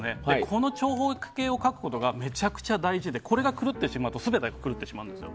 この長方形を描くことがめちゃくちゃ大事でこれが狂ってしまうと全てが狂ってしまうんですよ。